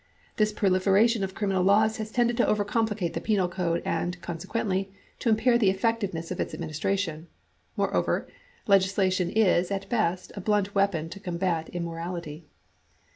This proliferation of criminal laws has tended to over complicate the penal code and, consequently, to im pair the effectiveness of its administration. Moreover, legislation is, at best, a blunt weapon to combat immorality.